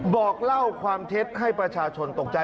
บอกเล่าความเท็จให้ประชาชนตกใจ